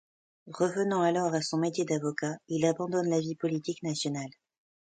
Revenant alors à son métier d'avocat, il abandonne la vie politique nationale.